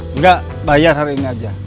enggak bayar hari ini aja